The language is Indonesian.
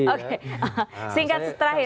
oke singkat terakhir